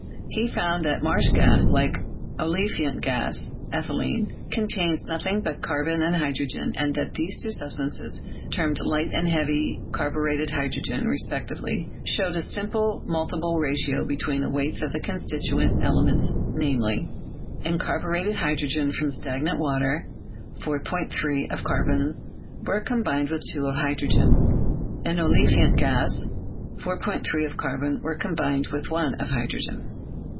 He found that marsh gas, like olefiant gas (ethylene), con tains nothing but carbon and hydrogen, and that these two substances, termed light and heavy carburetted hydro gen, respectively, showed a simple multiple ratio between the weights of the constituent elements, namely : In carburetted hydrogen from stagnant water, 4.3 of carbon were combined with 2 of hydrogen. In olefiant gas, 4.3 of carbon were combined with 1 of hydrogen.